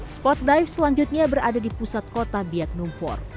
spot dive selanjutnya berada di pusat kota biak numpur